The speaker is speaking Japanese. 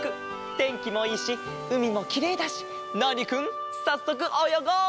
てんきもいいしうみもきれいだしナーニくんさっそくおよごう！